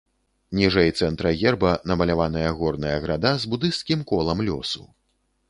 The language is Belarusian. Ніжэй цэнтра герба намаляваная горная града, з будысцкім колам лёсу.